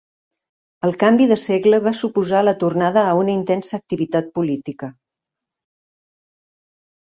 El canvi de segle va suposar la tornada a una intensa activitat política.